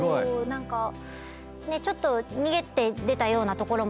何かちょっと逃げて出たようなところもあったので。